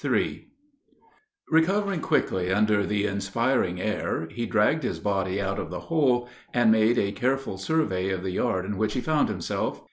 ] Recovering quickly under the inspiring air, he dragged his body out of the hole and made a careful survey of the yard in which he found himself.